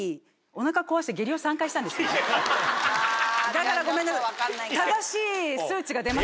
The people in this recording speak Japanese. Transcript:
だからごめんなさい。